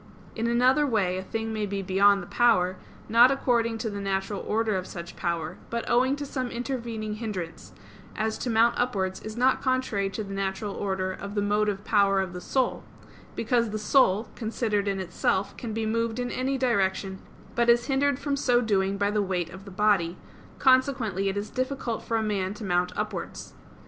In another way a thing may be beyond the power, not according to the natural order of such power, but owing to some intervening hindrance; as to mount upwards is not contrary to the natural order of the motive power of the soul; because the soul, considered in itself, can be moved in any direction; but is hindered from so doing by the weight of the body; consequently it is difficult for a man to mount upwards.